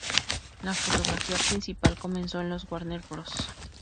La fotografía principal comenzó en los Warner Bros.